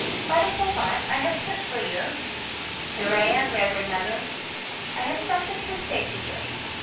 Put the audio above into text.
"Father Fauvent, I have sent for you." "Here I am, reverend Mother." "I have something to say to you."